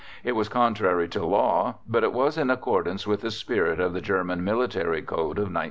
It was contrary to Law, but it was in accordance with the spirit of the German Military Code of 1902.